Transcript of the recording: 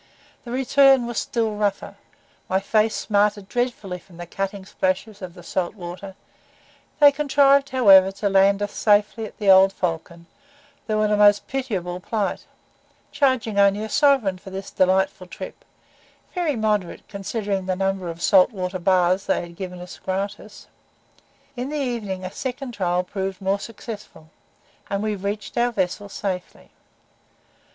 The return was still rougher my face smarted dreadfully from the cutting splashes of the salt water; they contrived, however, to land us safely at the "Old Falcon," though in a most pitiable plight; charging only a sovereign for this delightful trip very moderate, considering the number of salt water baths they had given us gratis. In the evening a second trial proved more successful, and we reached our vessel safely.